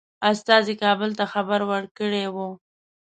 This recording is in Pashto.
استازي کابل ته خبر ورکړی وو.